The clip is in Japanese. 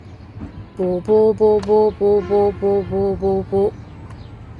ぼぼぼぼぼぼぼぼぼぼ